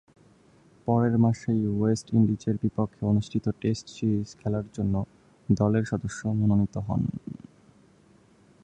পরের মাসেই ওয়েস্ট ইন্ডিজের বিপক্ষে অনুষ্ঠিত টেস্ট সিরিজ খেলার জন্য দলের সদস্য মনোনীত হন।